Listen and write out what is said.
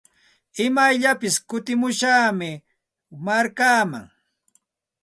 Imayllapis kutimushaqmi markaaman.